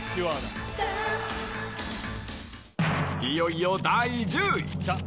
いよいよ第１０位。